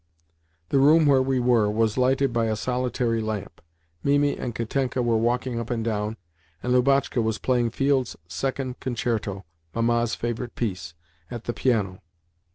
The room where we were was lighted by a solitary lamp. Mimi and Katenka were walking up and down, and Lubotshka was playing Field's Second Concerto (Mamma's favourite piece) at the piano.